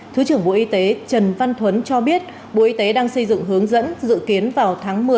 thứ trưởng bộ y tế trần văn thuấn cho biết bộ y tế đang xây dựng hướng dẫn dự kiến vào tháng một mươi